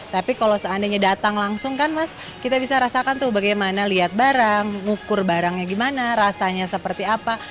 tapi kalau seandainya datang langsung kan mas kita bisa rasakan tuh bagaimana liat barang ngukur barangnya gimana rasanya seperti apa